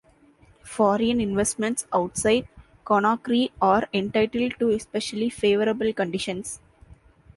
Foreign investments outside Conakry are entitled to especially favorable conditions.